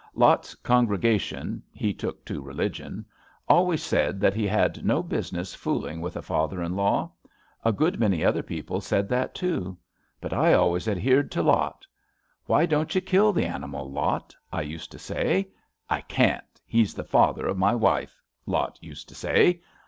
Lot's congregation — he took to Religion — always said that he had no busi ness fooling with a father in law. A good many other people said that too. But I always adhered to Lot. * Why don't you kill the animal, Lot? ' I used to say. * I can't. He's the father of my wife,' Lot used to say.